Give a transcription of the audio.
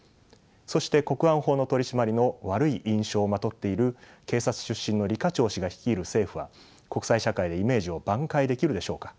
そして国安法の取締りの悪い印象をまとっている警察出身の李家超氏が率いる政府は国際社会でイメージを挽回できるでしょうか。